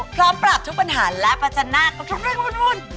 พร้อมปราบทุกปัญหาและประจันหน้ากับทุกเรื่องวุ่น